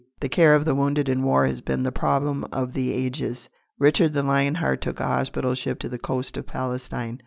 The care of the wounded in war has been the problem of the ages. Richard the Lion Hearted took a hospital ship to the coast of Palestine.